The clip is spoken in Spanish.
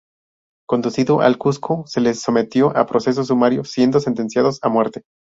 Conducido al Cuzco, se les sometió a proceso sumario, siendo sentenciados a muerte.